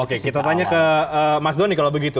oke kita tanya ke mas doni kalau begitu